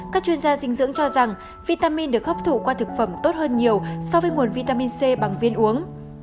các chuyên gia dinh dưỡng cho rằng vitamin được hấp thụ qua thực phẩm tốt hơn nhiều so với nguồn vitamin c bằng viên uống